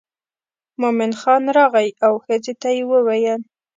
مومن خان راغی او ښځې ته یې وویل.